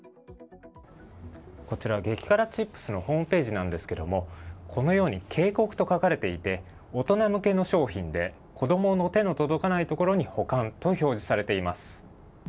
こちら激辛チップスのホームページなんですが警告と書かれていて大人向けの商品で子供の手の届かないところに保管と表示されています。